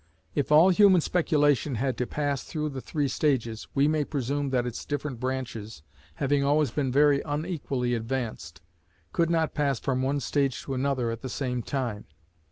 If all human speculation had to pass through the three stages, we may presume that its different branches, having always been very unequally advanced, could not pass from one stage to another at the same time.